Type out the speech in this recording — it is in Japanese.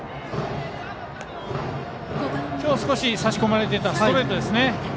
今日、少し差し込まれてたストレートですね。